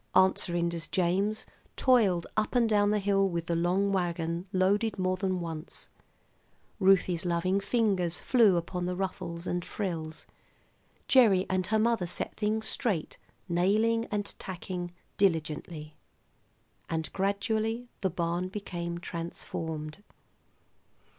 Aunt Serinda's James toiled up and down the hill with the long wagon loaded more than once; Ruthie's loving fingers flew upon the ruffles and frills; Gerry and her mother set things straight, nailing and tacking diligently; and gradually the barn became transformed.